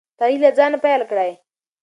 تغیر له ځانه پیل کړئ.